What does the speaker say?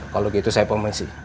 kalau gitu saya pemeriksaan